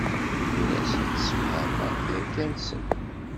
Ur asen-d-ssefhameɣ tirga-nsen.